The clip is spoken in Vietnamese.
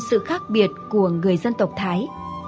sự khác biệt của người dân tộc thái